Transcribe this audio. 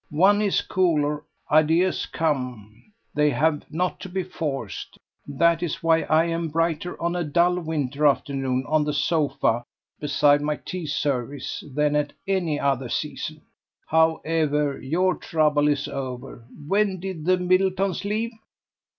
One is cooler: ideas come; they have not to be forced. That is why I am brighter on a dull winter afternoon, on the sofa, beside my tea service, than at any other season. However, your trouble is over. When did the Middletons leave?"